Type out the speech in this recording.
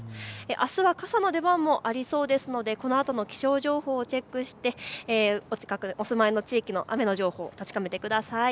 あすは傘の出番もありそうですので、このあとの気象情報をチェックして、お住まいの地域の雨の情報を確かめてください。